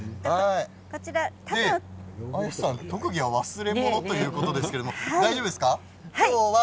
特技は忘れ物ということですが大丈夫ですか？